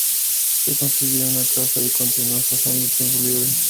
Se construyó una casa y continuó cazando en su tiempo libre.